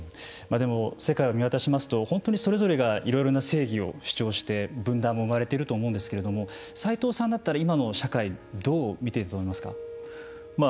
でも世界を見渡しますと世界がいろいろな正義を主張して分断も生まれていると思うんですけれどもさいとうさんだったら今の社会どう見ていると思いますか。